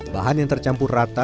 bahan yang tercampur rata